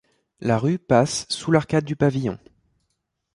La rue passe sous l'arcade du pavillon.